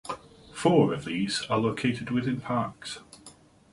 Four of these are located within parks.